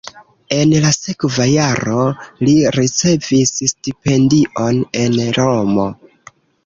En la sekva jaro li ricevis stipendion en Romo.